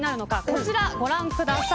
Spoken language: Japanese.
こちらご覧ください。